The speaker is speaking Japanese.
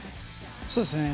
そうですね。